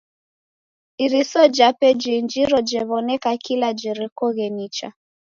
Iriso jape jiinjiro jew'oneka kila jerekoghe nicha.